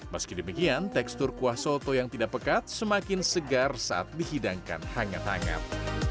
meski demikian tekstur kuah soto yang tidak pekat semakin segar saat dihidangkan hangat hangat